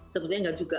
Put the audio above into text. sebetulnya nggak juga